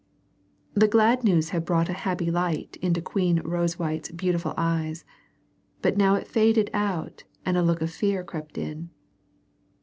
The glad news had brought a happy light into Queen Rosewhite's beautiful eyes, but now it faded out and a look of fear crept in.